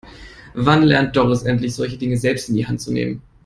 Wann lernt Doris endlich, solche Dinge selbst in die Hand zu nehmen?